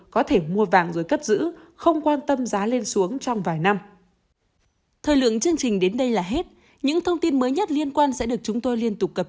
có thể mua vàng rồi cất giữ không quan tâm giá lên xuống trong vài năm